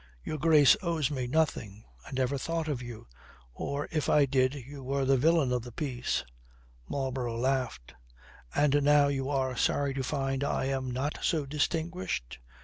"Your Grace owes me nothing. I never thought of you. Or if I did you were the villain of the piece." Marlborough laughed. "And now you are sorry to find I am not so distinguished.